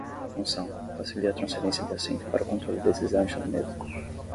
Função: facilita a transferência de assento para o controle deslizante na mesa.